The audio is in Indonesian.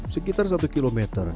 sekitar satu km